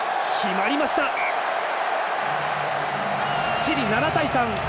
チリ７対３。